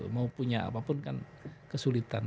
mau punya apapun kan kesulitan